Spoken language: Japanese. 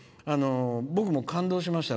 僕も感動しましたよ。